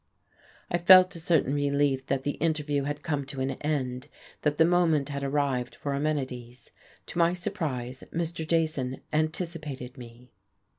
I felt a certain relief that the interview had come to an end, that the moment had arrived for amenities. To my surprise, Mr. Jason anticipated me.